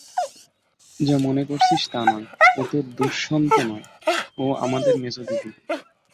যা মনে করছিস তা নয়, ও তোর দুষ্যন্ত নয়– ও আমাদের মেজদিদি।